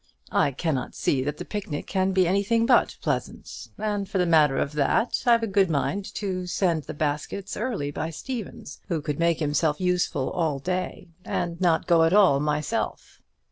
I cannot see that the picnic can be anything but pleasant; and for the matter of that, I've a good mind to send the baskets early by Stephens, who could make himself useful all day, and not go at all myself.